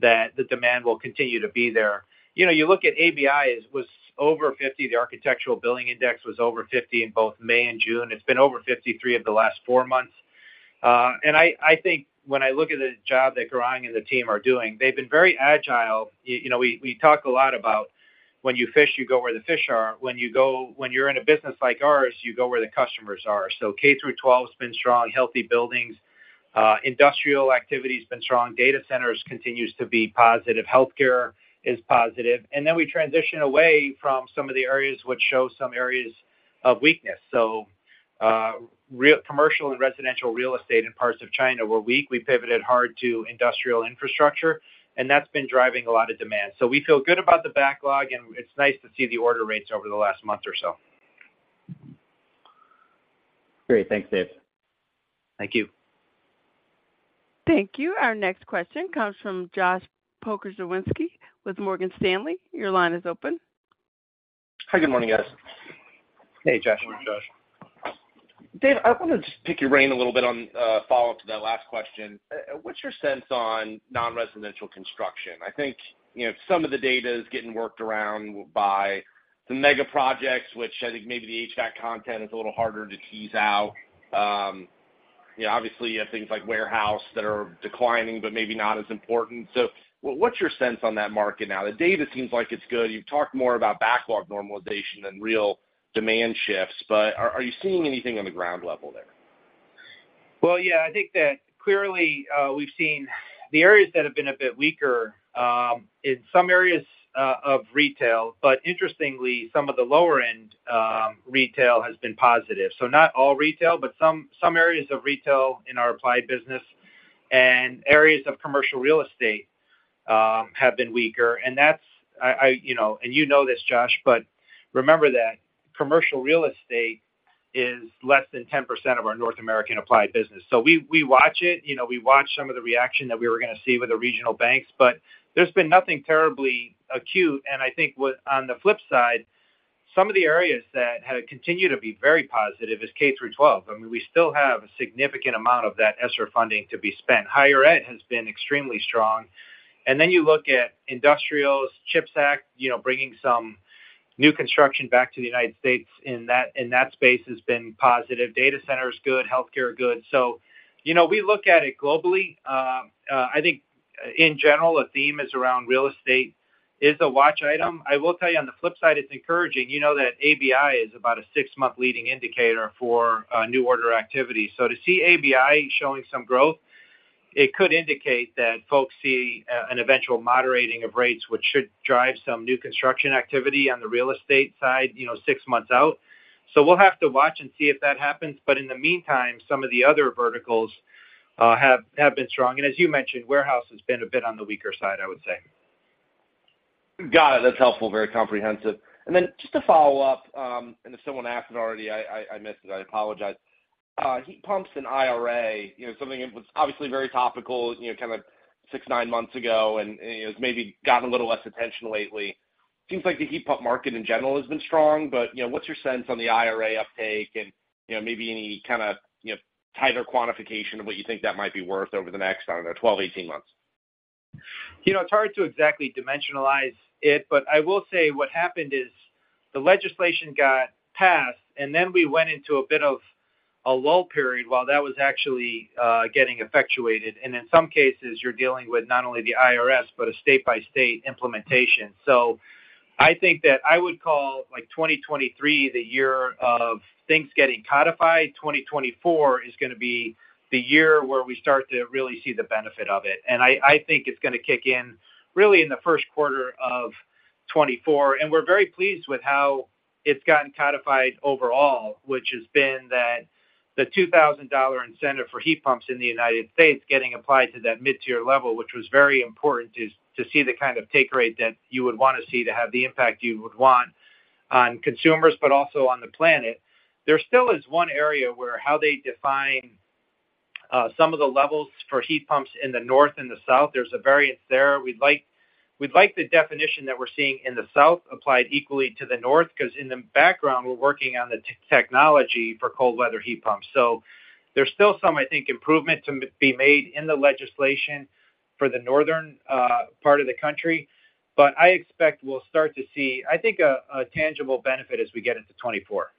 that the demand will continue to be there. You know, you look at ABI, it was over 50. The Architecture Billings Index was over 50 in both May and June. It's been over 50, 3 of the last 4 months. I think when I look at the job that Gaurang and the team are doing, they've been very agile. You know, we talk a lot about when you fish, you go where the fish are. When you're in a business like ours, you go where the customers are. K-12 has been strong, healthy buildings. Industrial activity's been strong. Data centers continues to be positive. Healthcare is positive. Then we transition away from some of the areas which show some areas of weakness. Commercial and residential real estate in parts of China were weak. We pivoted hard to industrial infrastructure, and that's been driving a lot of demand. We feel good about the backlog, and it's nice to see the order rates over the last month or so. Great. Thanks, Dave. Thank you. Thank you. Our next question comes from Josh Pokrzywinski with Morgan Stanley. Your line is open. Hi, good morning, guys. Hey, Josh. Good morning, Josh. Dave, I want to just pick your brain a little bit on, follow-up to that last question. What's your sense on non-residential construction? I think, you know, some of the data is getting worked around by the mega projects, which I think maybe the HVAC content is a little harder to tease out. You know, obviously, you have things like warehouse that are declining, but maybe not as important. What's your sense on that market now? The data seems like it's good. You've talked more about backlog normalization than real demand shifts, but are you seeing anything on the ground level there? Yeah, I think that clearly, we've seen the areas that have been a bit weaker, in some areas of retail, but interestingly, some of the lower-end retail has been positive. Not all retail, but some areas of retail in our applied business and areas of commercial real estate, have been weaker. You know, and you know this, Josh, but remember that commercial real estate is less than 10% of our North American applied business. We watch it. You know, we watch some of the reaction that we were gonna see with the regional banks, but there's been nothing terribly acute. On the flip side, some of the areas that have continued to be very positive is K-12. I mean, we still have a significant amount of that ESSER funding to be spent. Higher ed has been extremely strong. You look at industrials, CHIPS Act, you know, bringing some new construction back to the United States, and that space has been positive. Data center is good, healthcare, good. You know, we look at it globally. I think in general, the theme is around real estate is a watch item. I will tell you, on the flip side, it's encouraging. You know that ABI is about a six-month leading indicator for new order activity. To see ABI showing some growth, it could indicate that folks see an eventual moderating of rates, which should drive some new construction activity on the real estate side, you know, six months out. We'll have to watch and see if that happens. In the meantime, some of the other verticals have been strong. As you mentioned, warehouse has been a bit on the weaker side, I would say. Got it. That's helpful, very comprehensive. Then just to follow up, and if someone asked it already, I missed it, I apologize. Heat pumps in IRA, you know, something that was obviously very topical, you know, kind of six, nine months ago, and, you know, it's maybe gotten a little less attention lately. Seems like the heat pump market in general has been strong, but, you know, what's your sense on the IRA uptake and, you know, maybe any kind of, you know, tighter quantification of what you think that might be worth over the next, I don't know, 12, 18 months? You know, it's hard to exactly dimensionalize it, but I will say what happened is the legislation got passed, and then we went into a bit of a lull period while that was actually getting effectuated. In some cases, you're dealing with not only the IRS, but a state-by-state implementation. I think that I would call, like, 2023 the year of things getting codified. 2024 is gonna be the year where we start to really see the benefit of it. I think it's gonna kick in really in the first quarter of 2024. We're very pleased with how it's gotten codified overall, which has been that the $2,000 incentive for heat pumps in the United States getting applied to that mid-tier level, which was very important to see the kind of take rate that you would want to see, to have the impact you would want on consumers, also on the planet. There still is one area where, how they define some of the levels for heat pumps in the north and the south, there's a variance there. We'd like the definition that we're seeing in the south applied equally to the north, 'cause in the background, we're working on the technology for cold weather heat pumps. There's still some, I think, improvement to be made in the legislation for the northern part of the country, but I expect we'll start to see, I think, a tangible benefit as we get into 2024.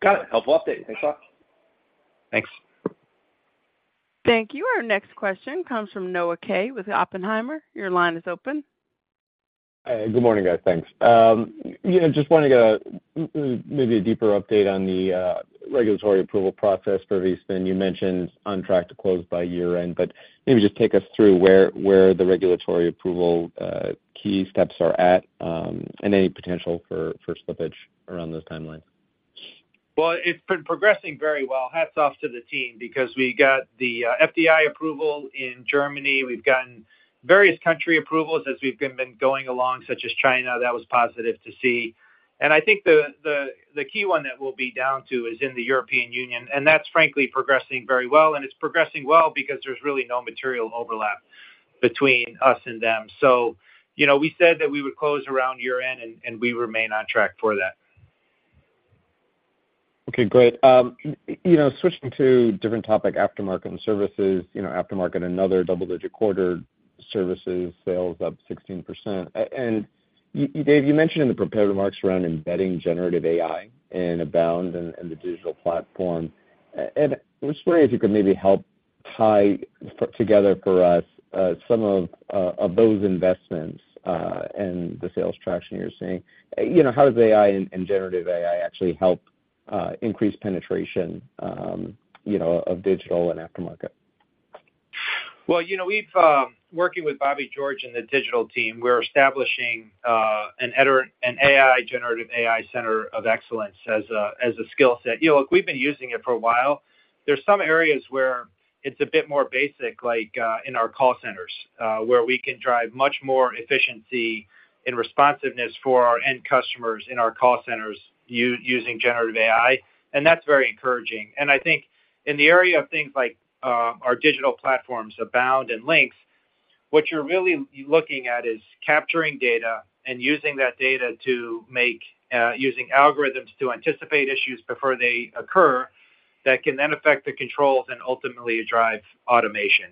Got it. Helpful update. Thanks, Josh. Thanks. Thank you. Our next question comes from Noah Kaye with Oppenheimer. Your line is open. Hi, good morning, guys. Thanks. Just want to get maybe a deeper update on the regulatory approval process for Viessmann. You mentioned on track to close by year-end, maybe just take us through where the regulatory approval key steps are at, and any potential for slippage around those timelines. Well, it's been progressing very well. Hats off to the team because we got the FDI approval in Germany. We've gotten various country approvals as we've been going along, such as China. That was positive to see. I think the key one that we'll be down to is in the European Union, and that's frankly progressing very well, and it's progressing well because there's really no material overlap between us and them. You know, we said that we would close around year-end, and we remain on track for that. Okay, great. You know, switching to a different topic, aftermarket and services. You know, aftermarket, another double-digit quarter, services sales up 16%. Dave, you mentioned in the prepared remarks around embedding generative AI in Abound and the digital platform. I was wondering if you could maybe help tie together for us some of those investments and the sales traction you're seeing. You know, how does AI and generative AI actually help increase penetration, you know, of digital and aftermarket? Well, you know, we've working with Bobby George and the digital team, we're establishing an AI, generative AI center of excellence as a skill set. You know, look, we've been using it for a while. There's some areas where it's a bit more basic, like in our call centers, where we can drive much more efficiency and responsiveness for our end customers in our call centers using generative AI, that's very encouraging. I think in the area of things like our digital platforms, Abound and Lynx, what you're really looking at is capturing data and using that data to make using algorithms to anticipate issues before they occur, that can then affect the controls and ultimately drive automation.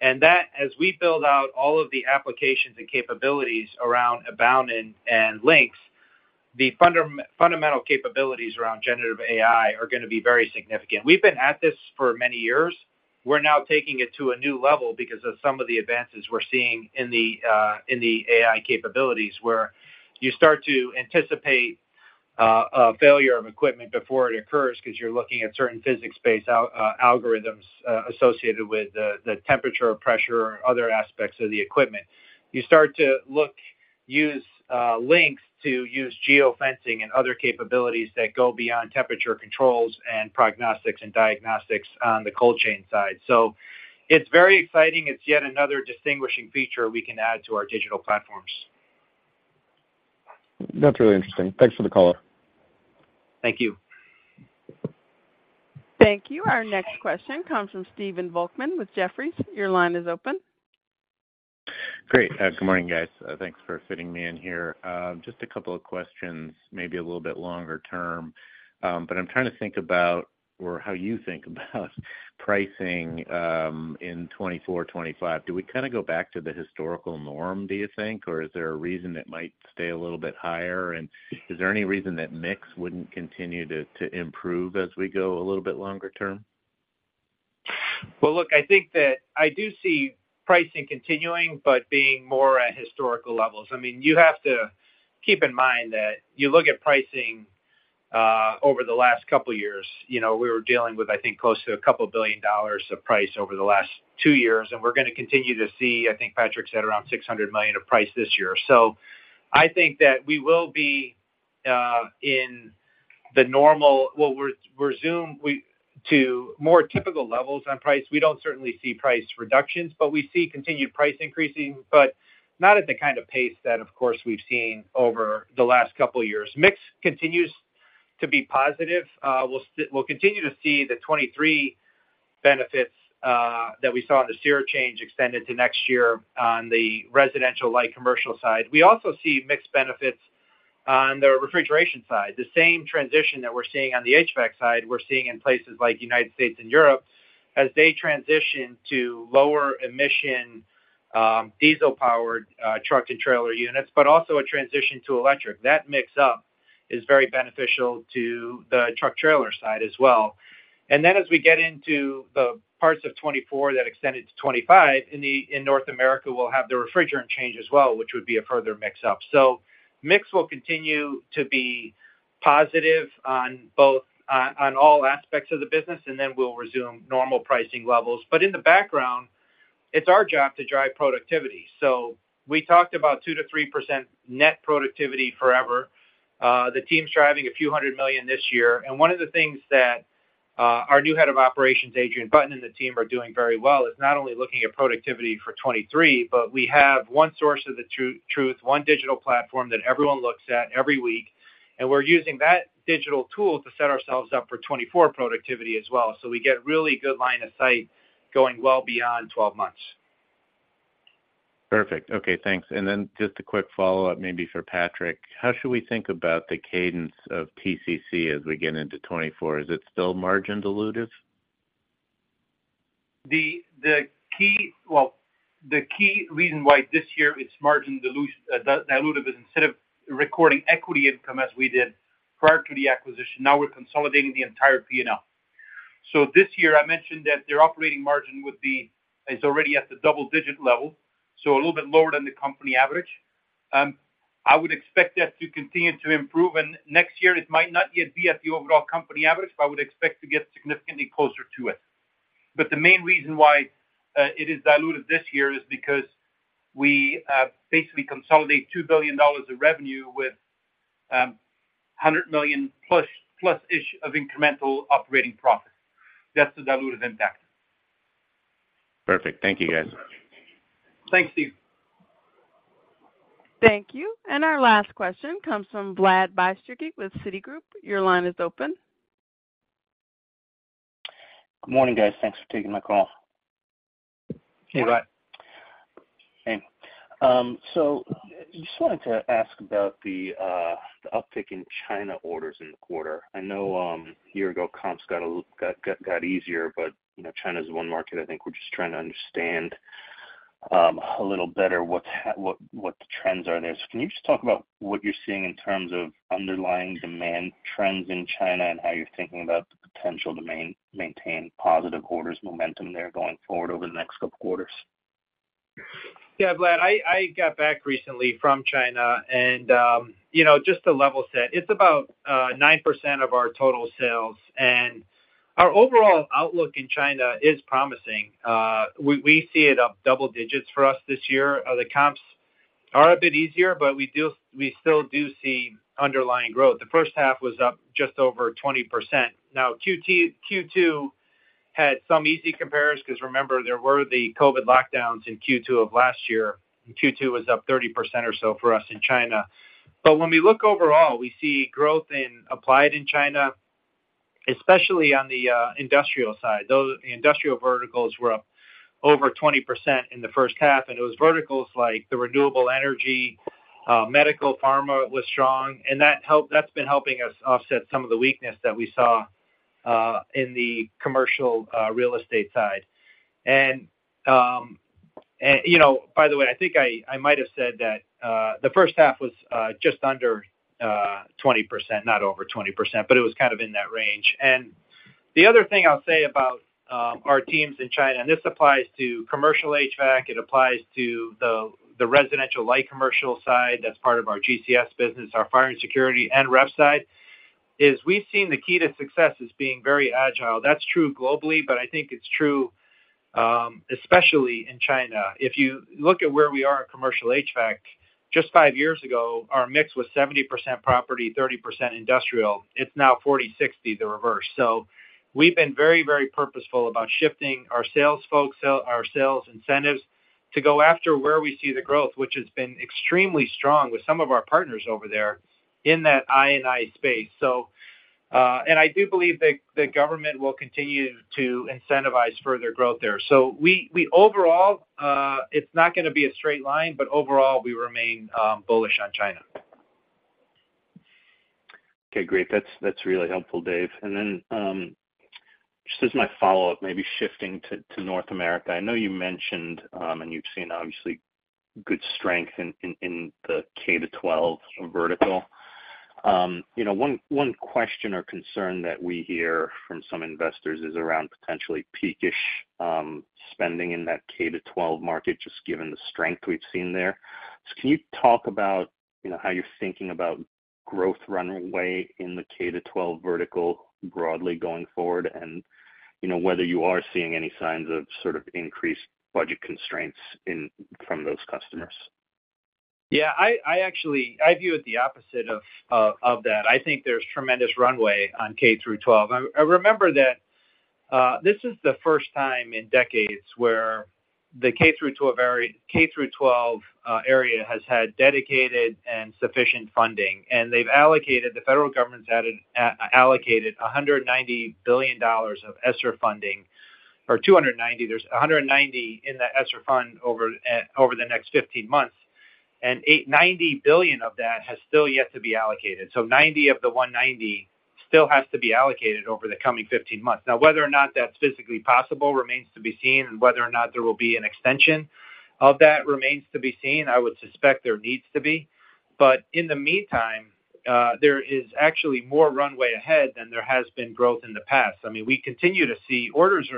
That, as we build out all of the applications and capabilities around Abound and Lynx, the fundamental capabilities around generative AI are gonna be very significant. We've been at this for many years. We're now taking it to a new level because of some of the advances we're seeing in the AI capabilities, where you start to anticipate a failure of equipment before it occurs, 'cause you're looking at certain physics-based algorithms associated with the temperature, pressure, and other aspects of the equipment. You start to look, use Lynx to use geofencing and other capabilities that go beyond temperature controls and prognostics and diagnostics on the cold chain side. It's very exciting. It's yet another distinguishing feature we can add to our digital platforms. That's really interesting. Thanks for the call. Thank you. Thank you. Our next question comes from Stephen Volkmann with Jefferies. Your line is open. Great. Good morning, guys. Thanks for fitting me in here. Just a couple of questions, maybe a little bit longer term. I'm trying to think about or how you think about pricing, in 2024, 2025. Do we kind of go back to the historical norm, do you think, or is there a reason it might stay a little bit higher? Is there any reason that mix wouldn't continue to improve as we go a little bit longer term? Well, look, I think that I do see pricing continuing, but being more at historical levels. I mean, you have to keep in mind that you look at pricing, over the last 2 years. You know, we were dealing with, I think, close to $2 billion of price over the last 2 years, and we're gonna continue to see, I think Patrick Goris said, around $600 million of price this year. I think that we will be in the normal... Well, we're to more typical levels on price. We don't certainly see price reductions, but we see continued price increasing, but not at the kind of pace that, of course, we've seen over the last 2 years. Mix continues to be positive. We'll continue to see the 2023 benefits that we saw in the SEER change extended to next year on the residential light commercial side. We also see mixed benefits on the refrigeration side. The same transition that we're seeing on the HVAC side, we're seeing in places like United States and Europe, as they transition to lower emission, diesel-powered, truck and trailer units, but also a transition to electric. That mix-up is very beneficial to the truck trailer side as well. As we get into the parts of 2024 that extended to 2025, in North America, we'll have the refrigerant change as well, which would be a further mix-up. Mix will continue to be positive on both, on all aspects of the business, and then we'll resume normal pricing levels. In the background, it's our job to drive productivity. We talked about 2%-3% net productivity forever. The team's driving a few hundred million dollars this year, and one of the things that, our new head of operations, Adrian Button, and the team are doing very well, is not only looking at productivity for 2023, but we have one source of the truth, one digital platform that everyone looks at every week, and we're using that digital tool to set ourselves up for 2024 productivity as well. We get really good line of sight going well beyond 12 months. Perfect. Okay, thanks. Just a quick follow-up, maybe for Patrick: How should we think about the cadence of TCC as we get into 2024? Is it still margin dilutive? Well, the key reason why this year it's margin dilutive is instead of recording equity income as we did prior to the acquisition, now we're consolidating the entire P&L. This year, I mentioned that their operating margin is already at the double-digit level, so a little bit lower than the company average. I would expect that to continue to improve, and next year it might not yet be at the overall company average, but I would expect to get significantly closer to it. The main reason why it is diluted this year is because we basically consolidate $2 billion of revenue with $100 million-plus, plus-ish of incremental operating profit. That's the dilutive impact. Perfect. Thank you, guys. Thanks, Steve. Thank you. Our last question comes from Vladimir Bystricky with Citigroup. Your line is open. Good morning, guys. Thanks for taking my call. Hey, Vlad. Hey. Just wanted to ask about the uptick in China orders in the quarter. I know, a year ago, comps got easier, but, you know, China's one market I think we're just trying to understand, a little better what the trends are there. Can you just talk about what you're seeing in terms of underlying demand trends in China and how you're thinking about the potential to maintain positive orders momentum there going forward over the next couple quarters? Yeah, Vlad, I got back recently from China, you know, just to level set, it's about 9% of our total sales. Our overall outlook in China is promising. We see it up double digits for us this year. The comps are a bit easier, but we still do see underlying growth. The first half was up just over 20%. Q2 had some easy compares, 'cause remember, there were the COVID lockdowns in Q2 of last year, and Q2 was up 30% or so for us in China. When we look overall, we see growth in Applied in China, especially on the industrial side. The industrial verticals were up over 20% in the first half, and it was verticals like the renewable energy, medical, pharma was strong, and that's been helping us offset some of the weakness that we saw in the commercial real estate side. You know, by the way, I think I might have said that the first half was just under 20%, not over 20%, but it was kind of in that range. The other thing I'll say about our teams in China, and this applies to commercial HVAC, it applies to the residential light commercial side that's part of our GCS business, our fire and security, and rep side, is we've seen the key to success as being very agile. That's true globally, I think it's true especially in China. If you look at where we are at commercial HVAC, just five years ago, our mix was 70% property, 30% industrial. It's now 40-60, the reverse. We've been very, very purposeful about shifting our sales folks, our sales incentives to go after where we see the growth, which has been extremely strong with some of our partners over there in that I&I space. I do believe the government will continue to incentivize further growth there. Overall, it's not gonna be a straight line, overall, we remain bullish on China. Okay, great. That's really helpful, Dave. Just as my follow-up, maybe shifting to North America, I know you mentioned, and you've seen, obviously, good strength in the K-12 vertical. You know, one question or concern that we hear from some investors is around potentially peak-ish spending in that K-12 market, just given the strength we've seen there. Can you talk about, you know, how you're thinking about growth runway in the K-12 vertical broadly going forward and, you know, whether you are seeing any signs of sort of increased budget constraints from those customers? I actually view it the opposite of that. I think there's tremendous runway on K-12. I remember that this is the first time in decades where the K-12 area has had dedicated and sufficient funding, they've allocated, the federal government's allocated $190 billion of ESSER funding, or $290. There's $190 in the ESSER fund over the next 15 months, $90 billion of that has still yet to be allocated. 90 of the 190 still has to be allocated over the coming 15 months. Whether or not that's physically possible remains to be seen, whether or not there will be an extension of that remains to be seen. I would suspect there needs to be. In the meantime, there is actually more runway ahead than there has been growth in the past. I mean, we continue to see orders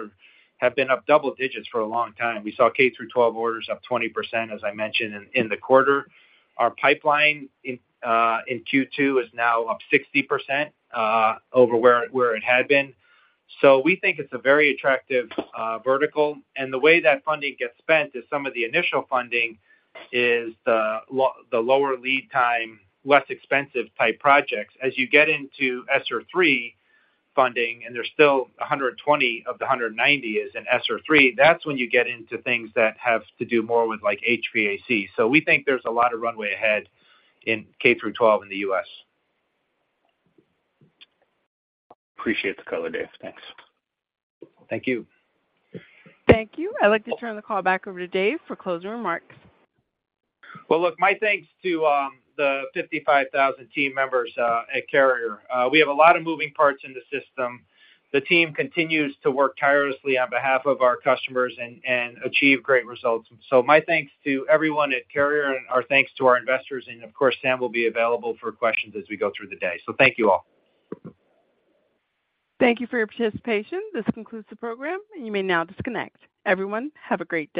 have been up double digits for a long time. We saw K-12 orders up 20%, as I mentioned in the quarter. Our pipeline in Q2 is now up 60% over where it had been. We think it's a very attractive vertical. The way that funding gets spent is some of the initial funding is the lower lead time, less expensive type projects. As you get into ESSER III funding, and there's still 120 of the 190 is in ESSER III, that's when you get into things that have to do more with, like, HVAC. We think there's a lot of runway ahead in K-12 in the U.S. Appreciate the color, Dave. Thanks. Thank you. Thank you. I'd like to turn the call back over to Dave for closing remarks. Well, look, my thanks to the 55,000 team members at Carrier. We have a lot of moving parts in the system. The team continues to work tirelessly on behalf of our customers and achieve great results. My thanks to everyone at Carrier, and our thanks to our investors, and of course, Sam will be available for questions as we go through the day. Thank you all. Thank you for your participation. This concludes the program, and you may now disconnect. Everyone, have a great day.